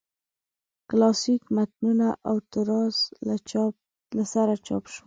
کلاسیک متنونه او تراث له سره چاپ شول.